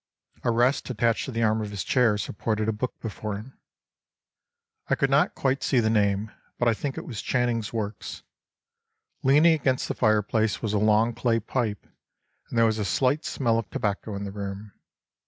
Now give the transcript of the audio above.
A rest attached to the arm of his chair supported a book before him. I could not quite see the name, but I think it was Channing's works. Leaning against the fireplace was a long clay pipe, and there was a slight smell of tobacco in the room....